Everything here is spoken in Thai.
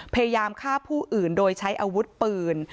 พยายามฆ่าผู้อื่นโดยใช้อาวุธปืน